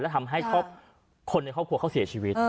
ทำให้คนในครอบครัวเขาเสียชีวิต